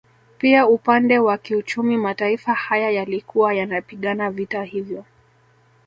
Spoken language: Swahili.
Pia upande wa kiuchumi mataifa haya yalikuwa yanapigana vita hivyo